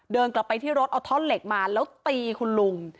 เดินกลับไปที่รถเอาท่อนเหล็กมาแล้วตีคุณลุง